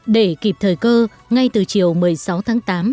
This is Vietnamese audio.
để kịp thời cơ ngay từ chiều một mươi sáu tháng tám